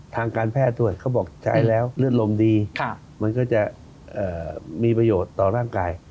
ทางการแพทย์ตรวจเขาบอกใช้แล้วเลือดลมดีมันก็จะมีประโยชน์ต่อร่างกาย